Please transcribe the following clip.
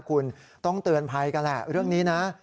คุณต้องเตือนภัยกันแหละเรื่องนี้นะ